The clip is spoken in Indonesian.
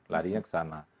ladinya ke sana